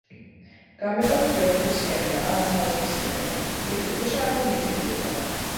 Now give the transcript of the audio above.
გამეტოფიტი ორსქესიანი ან ცალსქესიანია, მიწისქვეშა ან მიწისზედა.